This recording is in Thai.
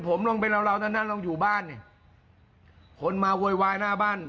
จะต้องมีความผิดจะต้องมีบาปติดตัวไปตลอดชีวิตแน่นอน